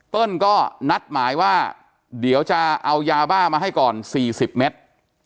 ก็นัดหมายว่าเดี๋ยวจะเอายาบ้ามาให้ก่อน๔๐เมตร